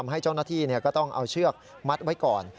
ให้เจ้าหน้าที่ก็ต้องเอาเชือกมัดไว้ก่อน